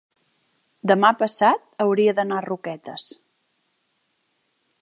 demà passat hauria d'anar a Roquetes.